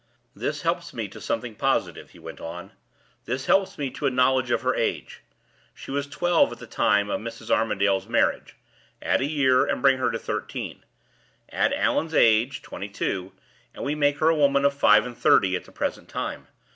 "This helps me to something positive," he went on; "this helps me to a knowledge of her age. She was twelve at the time of Mrs. Armadale's marriage; add a year, and bring her to thirteen; add Allan's age (twenty two), and we make her a woman of five and thirty at the present time.